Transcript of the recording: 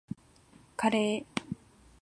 カレー